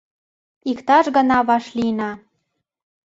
Иктаж-гана вашлийына!